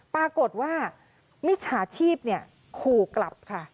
ปรากฏว่ามิจฉาชีพขู่กลับค่ะ